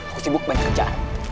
aku sibuk banyak kerja